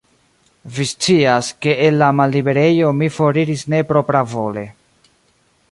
Vi scias, ke el la malliberejo mi foriris ne propravole.